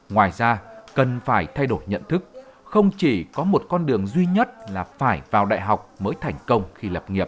ngoài ra cần phải thay đổi nhận thức không chỉ có một con đường duy nhất là phải vào đại học mới thành công khi lập nghiệp